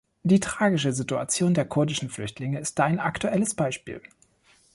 Die tragische Situation der kurdischen Flüchtlinge ist da ein aktuelles Beispiel.